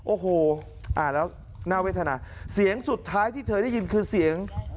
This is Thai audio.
โอ้โหอ่านแล้วน่าเวทนาเสียงสุดท้ายที่เธอได้ยินคือเสียง